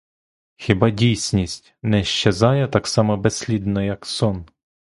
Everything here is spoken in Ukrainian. Хіба дійсність не щезає так само безслідно, як сон?